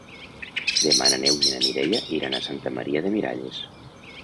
Demà na Neus i na Mireia iran a Santa Maria de Miralles.